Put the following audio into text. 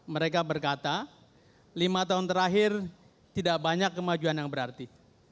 mereka berkata lima tahun terakhir tidak banyak kemajuan yang berarti